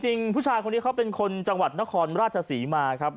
จริงผู้ชายคนนี้เขาเป็นคนจังหวัดนครราชศรีมาครับ